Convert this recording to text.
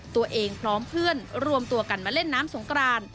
พร้อมเพื่อนรวมตัวกันมาเล่นน้ำสงกราน